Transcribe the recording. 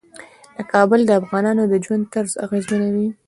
کابل د افغانانو د ژوند طرز اغېزمنوي.